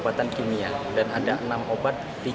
saya sudah berusaha untuk menghapus tattoo